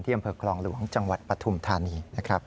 ที่อำเภอกรองหลวงจังหวัดปฐุมธานี